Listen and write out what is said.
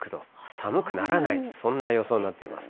寒くならない、そんな予想になっています。